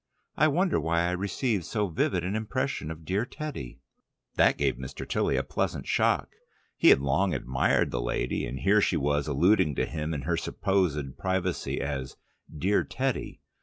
I wonder why I received so vivid an impression of dear Teddy." That gave Mr. Tilly a pleasant shock. He had long admired the lady, and here she was alluding to him in her supposed privacy as "dear Teddy."